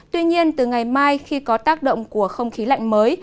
tuy nhiên từ ngày mai khi có tác động của không khí lạnh mới